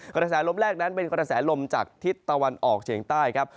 กระแสลมแรกนั้นเป็นกระแสลมจากทิศตะวันออกเฉียงใต้ครับ